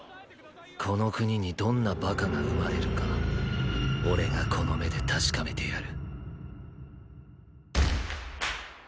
この国にどんなバカが生まれるか俺がこの目で確かめてやる。